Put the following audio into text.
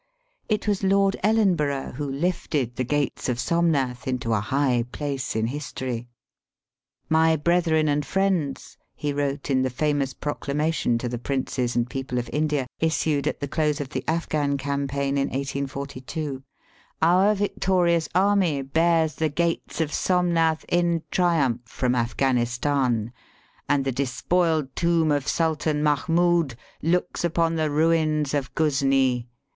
It was Lord Ellenborough who lifted the Gates of Somnath into a high place in history. ''My brethren and friends," he wrote in the famous proclamation to the princes and people of India, issued at the close of the Afghan campaign of 1842, *' our victorious army bears the Gates of Somnath in triumph from Afghanistan, and the despoiled tomb of Sultan Mahmood looks upon the ruins of Ghuznee.